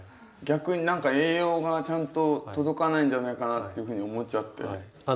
逆に何か栄養がちゃんと届かないんじゃないかなっていうふうに思っちゃって。